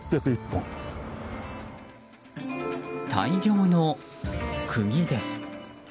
大量の釘です。